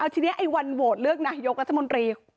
ทีนี้ไอ้วันโหวตเลือกนายกรัฐมนตรี